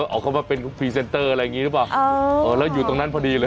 เอาเข้ามาเป็นพรีเซนเตอร์อะไรอย่างนี้หรือเปล่าแล้วอยู่ตรงนั้นพอดีเลย